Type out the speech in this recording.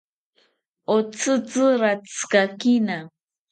Otzitzi ratzikakina